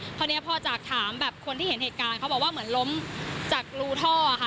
พอเนี้ยพอจากถามแบบคนที่เห็นเหตุการณ์เขาบอกว่าเหมือนล้มจากรูท่อค่ะ